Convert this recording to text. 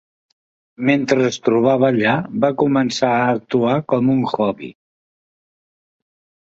Mentre es trobava allà va començar a actuar com un hobby.